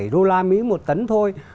bốn trăm bốn mươi bảy đô la mỹ một tấn thôi